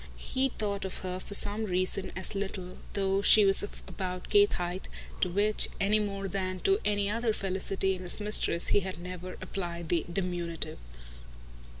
He thought of her for some reason as little, though she was of about Kate's height, to which, any more than to any other felicity in his mistress, he had never applied the diminutive.